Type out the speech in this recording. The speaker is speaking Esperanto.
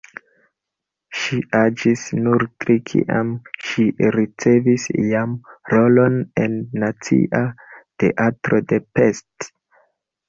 Ŝi aĝis nur tri, kiam ŝi ricevis jam rolon en Nacia Teatro de Pest.